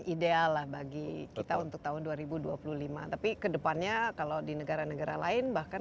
ideal lah bagi kita untuk tahun dua ribu dua puluh lima tapi kedepannya kalau di negara negara lain bahkan